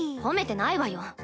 褒めてないわよ。